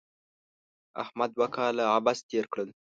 احمد دوه کاله عبث تېر کړل.